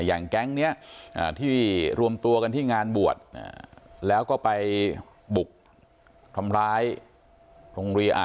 อย่างแก๊งเนี้ยอ่าที่รวมตัวกันที่งานบวชอ่าแล้วก็ไปบุกทำร้ายโรงเรียนอ่า